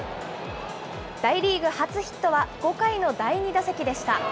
大リーグ初ヒットは、５回の第２打席でした。